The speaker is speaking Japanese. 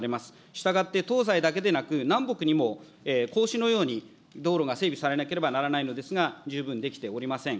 したがって、東西だけでなく、南北にも格子のように道路が整備されなければならないのですが、十分できておりません。